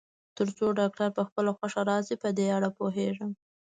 تر څو ډاکټر په خپله خوښه راشي، په دې اړه پوهېږم.